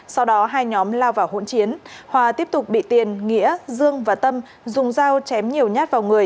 sau đó hai nhóm lao vào hỗn chiến hòa tiếp tục bị tiền nghĩa dương và tâm dùng dao chém nhiều nhát vào người